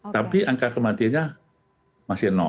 tapi angka kematiannya masih